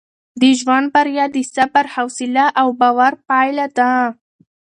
د ژوند بریا د صبر، حوصله او باور پایله ده.